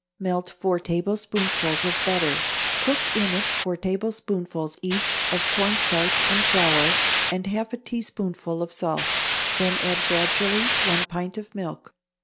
= Melt four tablespoonfuls of butter; cook in it four tablespoonfuls, each, of cornstarch and flour and half a teaspoonful of salt, then add gradually one pint of milk.